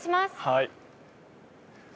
はい。